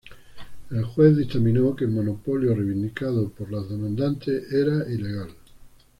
El juez dictaminó que el monopolio reivindicado por los demandantes era ilegal.